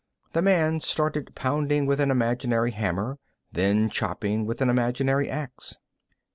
The man started pounding with an imaginary hammer, then chopping with an imaginary ax.